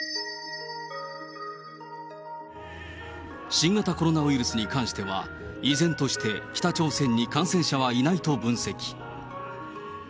新型コロナウイルスに関しては依然として、北朝鮮に感染者はいないと分析。